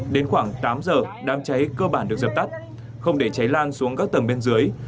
đến khoảng tám giờ đám cháy cơ bản được dập tắt không để cháy lan xuống các tầng bên dưới